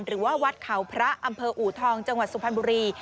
หรือว่าวัดเขาพระอำเภออูทองจังหวัดสุพรรณบุรี